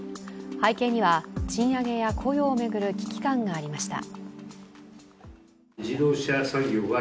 背景には賃上げや雇用を巡る危機感がありました。